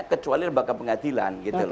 kecuali lembaga pengadilan gitu loh